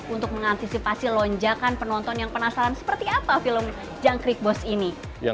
untuk mengantisipasi lonjakan penonton yang penasaran seperti apa film jangkrik bos ini